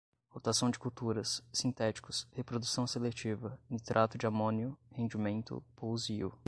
rotação de culturas, sintéticos, reprodução seletiva, nitrato de amônio, rendimento, pousio